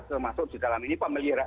termasuk di dalam ini pemelihara